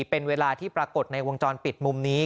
เป็นเวลาที่ปรากฏในวงจรปิดมุมนี้